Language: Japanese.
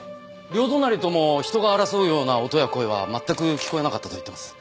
両隣とも人が争うような音や声は全く聞こえなかったと言ってます。